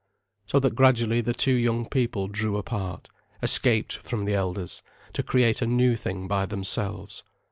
So that gradually the two young people drew apart, escaped from the elders, to create a new thing by themselves.